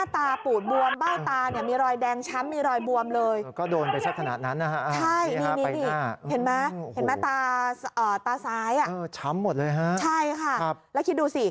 ตาซ้ายอะช้ำหมดเลยฮะใช่ค่ะครับแล้วคิดดูสิ